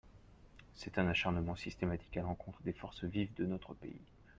C’est un acharnement systématique à l’encontre des forces vives de notre pays.